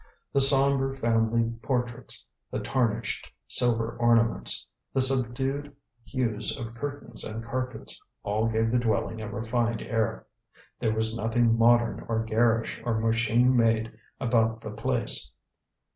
The sombre family portraits, the tarnished silver ornaments, the subdued hues of curtains and carpets, all gave the dwelling a refined air. There was nothing modern or garish or machine made about the place.